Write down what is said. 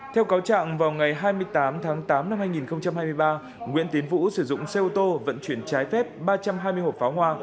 theo cáo trạng vào ngày hai mươi tám tháng tám năm hai nghìn hai mươi ba nguyễn tiến vũ sử dụng xe ô tô vận chuyển trái phép ba trăm hai mươi hộp pháo hoa